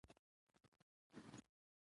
فرهنګي فعالیتونو ته وده ورکول کیږي.